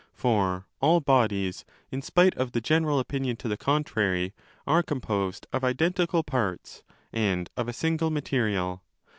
For all bodies, in spite of the general opinion to the contrary, are composed of identical parts and of a single material.